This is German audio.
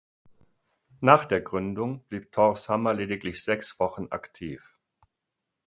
Nach der Gründung blieb Thorr’s Hammer lediglich sechs Wochen aktiv.